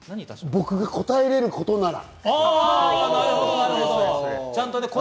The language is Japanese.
「僕、僕が答えられることなら」。